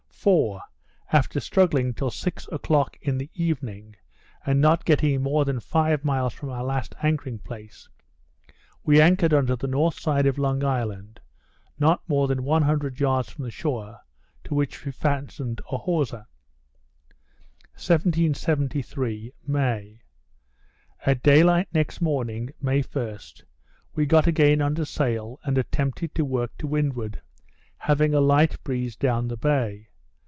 For, after struggling till six o'clock in the evening, and not getting more than five miles from our last anchoring place, we anchored under the north side of Long Island, not more than one hundred yards from the shore, to which we fastened a hawser. 1773 May At day light next morning, May 1st, we got again under sail, and attempted to work to windward, having a light breeze down the bay.